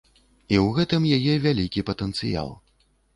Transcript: І ў гэтым яе вялікі патэнцыял.